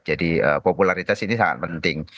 jadi popularitas ini sangat penting